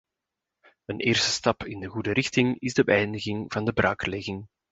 Een eerste stap in de goede richting is de beëindiging van de braaklegging.